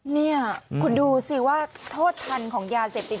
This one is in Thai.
นี่คุณดูสิว่าโทษทันของยาเสพติด